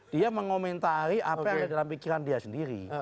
dia mengomentari apa yang ada dalam pikiran dia sendiri